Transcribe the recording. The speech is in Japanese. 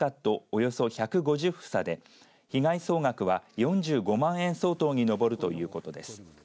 およそ１５０房で被害総額は、４５万円相当に上るということです。